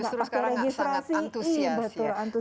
pakai registrasi iya betul